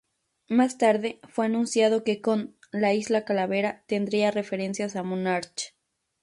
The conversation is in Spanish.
Más tarde, fue anunciado que "Kong: La Isla Calavera" tendría referencias a Monarch.